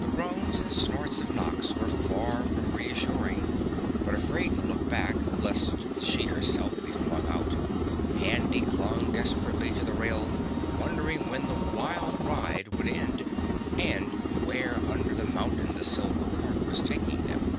The groans and snorts of Nox were far from reassuring, but afraid to look back lest she herself be flung out, Handy clung desperately to the rail wondering when the wild ride would end and where under the mountain the silver car was taking them.